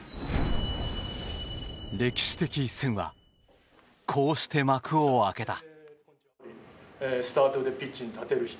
歴史的一戦はこうして幕を開けた。